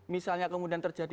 misalnya kemudian terjadi